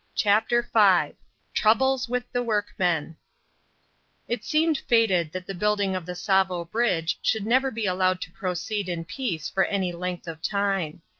CHAPTER V TROUBLES WITH THE WORKMEN It seemed fated that the building of the Tsavo Bridge should never be allowed to proceed in peace for any length of time.